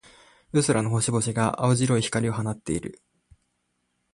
夜空の星々が、青白い光を放っている。